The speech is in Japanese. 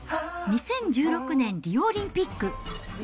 ２０１６年リオオリンピック。